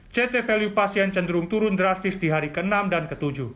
ct value pasien cenderung turun drastis di hari ke enam dan ke tujuh